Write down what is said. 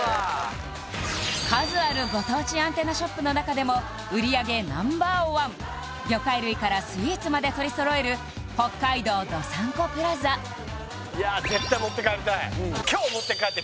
数あるご当地アンテナショップの中でも売上Ｎｏ．１魚介類からスイーツまで取り揃える北海道どさんこプラザいや・いいですね